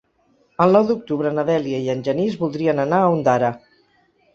El nou d'octubre na Dèlia i en Genís voldrien anar a Ondara.